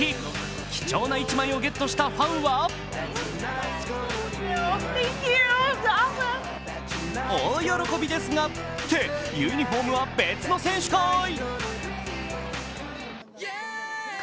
貴重な１枚をゲットしたファンは大喜びですがって、ユニフォームは別の選手かい！